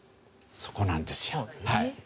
そこなんですよ。